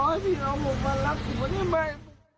ผมรอให้พี่เรา๖วันแล้วถึงวันนี้ไม่